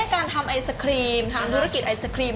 การทำไอศครีมทำธุรกิจไอศครีม